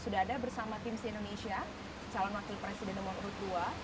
sudah ada bersama tim si indonesia calon wakil presiden nomor urut dua